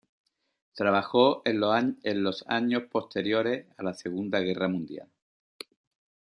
Trabajó en los años posteriores a la Segunda Guerra Mundial.